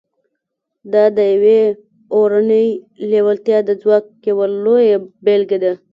دا د يوې اورنۍ لېوالتیا د ځواک يوه لويه بېلګه ده.